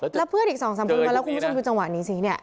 แล้วเพื่อนอีก๒๓คนมาแล้วคุณผู้ชมดูจังหวะนี้สิเนี่ย